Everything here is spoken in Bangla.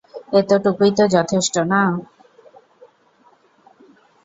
এতোটুকুই তো যথেষ্ট, না?